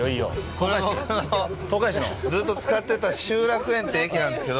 これ僕のずっと使ってた聚楽園って駅なんですけど。